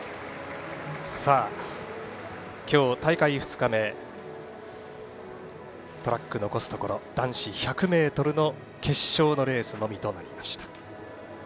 今日、大会２日目トラック残すところ男子１００ｍの決勝のレースのみとなりました。